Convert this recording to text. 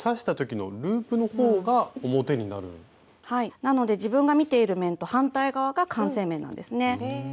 なので自分が見ている面と反対側が完成面なんですね。